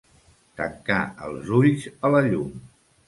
Tancar els ulls a la llum.